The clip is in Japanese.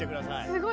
すごい。